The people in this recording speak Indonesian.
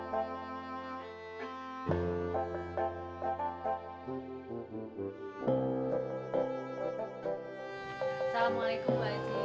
assalamualaikum bu haji